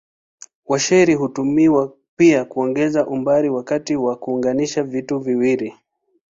Washeli hutumiwa pia kuongeza umbali wakati wa kuunganisha vitu viwili.